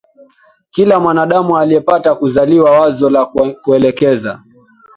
kila mwanadamu aliyepata kuzaliwa Wazo la kuelekea